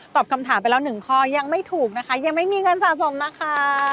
คำถามไปแล้วหนึ่งข้อยังไม่ถูกนะคะยังไม่มีเงินสะสมนะคะ